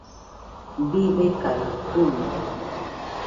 Bibekae tuide.